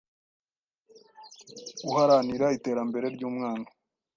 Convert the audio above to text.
uharanira Iterambere ry’umwana,